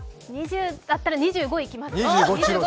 ２０あったら２５いきます。